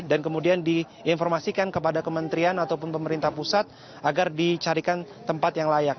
dan kemudian diinformasikan kepada kementerian ataupun pemerintah pusat agar dicarikan tempat yang layak